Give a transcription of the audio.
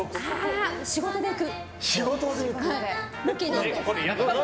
仕事で行く。